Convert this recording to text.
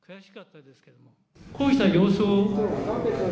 こうした様子を。